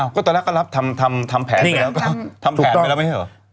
ก็ตอนนั้นมารับถามแผนเพื่อแล้วก็ทำแผนไว้แล้วมั้ยเหรอ